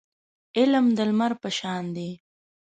علم د لمر په شان دی.